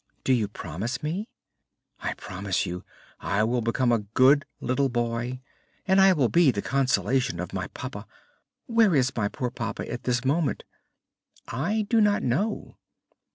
"Do you promise me?" "I promise you. I will become a good little boy, and I will be the consolation of my papa. Where is my poor papa at this moment?" "I do not know."